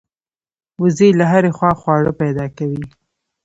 وزې له هرې خوا خواړه پیدا کوي